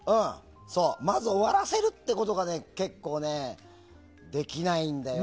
まず終わらせるってことが結構できないんだよ。